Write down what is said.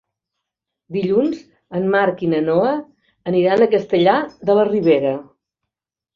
Dilluns en Marc i na Noa aniran a Castellar de la Ribera.